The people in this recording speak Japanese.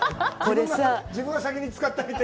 自分が先に使ってあげて。